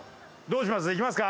どうします？